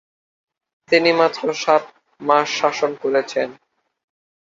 তিনি মাত্র সাত মাস শাসন করেছেন।